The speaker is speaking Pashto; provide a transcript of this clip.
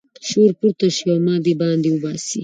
شور پورته شي او ما د باندې وباسي.